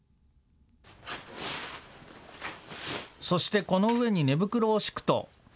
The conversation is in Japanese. そして、この上に寝袋を敷くと。